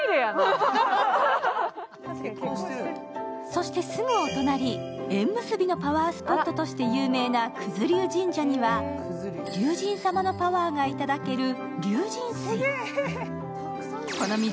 そしてすぐお隣、縁結びのパワースポットとして有名な九頭龍神社には龍神様のパワーがいただける龍神水。